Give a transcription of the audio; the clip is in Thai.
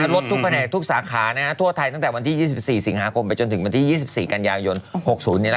รถทุกแผนกทุกสาขาทั่วไทยตั้งแต่วันที่๒๔สิงหาคมไปจนถึงวันที่๒๔กันยายน๖๐